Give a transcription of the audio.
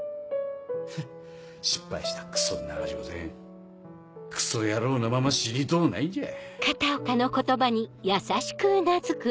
フッ失敗したクソ流しもせんクソ野郎のまま死にとうないんじゃ！